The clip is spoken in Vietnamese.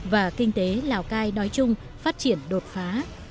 và kinh tế lào cai nói chung phát triển đột phá